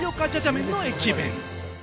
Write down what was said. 麺の駅弁。